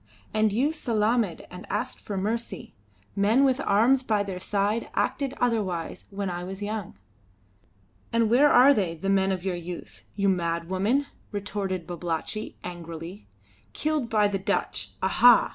"And you salaamed and asked for mercy. Men with arms by their side acted otherwise when I was young." "And where are they, the men of your youth? You mad woman!" retorted Babalatchi, angrily. "Killed by the Dutch. Aha!